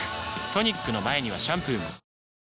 トニックの前にはシャンプーもんー！